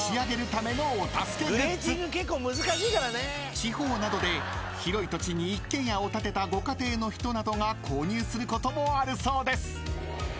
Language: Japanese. ［地方などで広い土地に一軒家を建てたご家庭の人などが購入することもあるそうです］